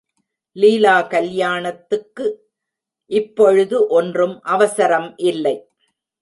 லீலா கல்யாணத்துக்கு இப்பொழுது ஒன்றும் அவசரம் இல்லை.